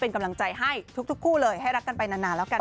เป็นกำลังใจให้ทุกคู่เลยให้รักกันไปนานแล้วกัน